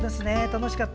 楽しかった。